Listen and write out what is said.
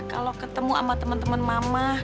kalau ketemu sama teman teman mama